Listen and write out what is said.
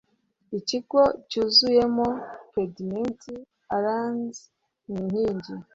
Ikigo cyuzuyemo pediments urns n'inkingi